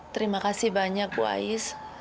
terima kasih banyak bu ais